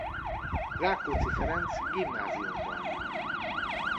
Rákóczi Ferenc Gimnáziumban.